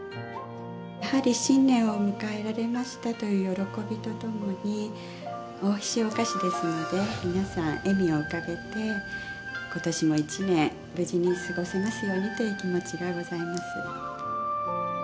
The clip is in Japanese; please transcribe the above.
やはり新年を迎えられましたという喜びとともにおいしいお菓子ですので皆さん笑みを浮かべて今年も一年無事に過ごせますようにという気持ちがございます。